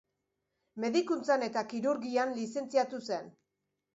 Medikuntzan eta kirurgian lizentziatu zen.